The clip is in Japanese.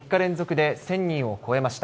３日連続で１０００人を超えました。